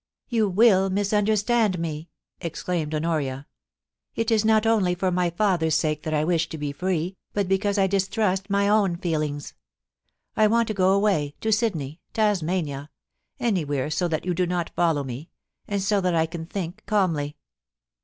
' You will misunderstand me,' exclaimed Honoria. ' It 344 POLICY AND PASSION. is not only for my father's sake that I wish to be free, but because I distrust my own feelings. I want to go away, to Sydney, Tasmania — anywhere so that you do not follow me, and so that I can think calmly.